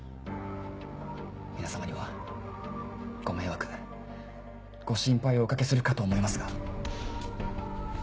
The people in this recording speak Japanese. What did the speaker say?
皆様にはご迷惑ご心配をおかけするかと思いますが。